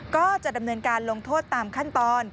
ก็จะดำเนินการลงโทษตามขั้นตอน